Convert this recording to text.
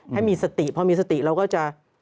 ให้มีสติพอมีสติเราก็จะ